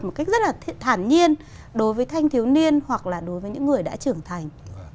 một cách rất là thản nhiên đối với thanh thiếu niên hoặc là đối với những người đã trưởng thành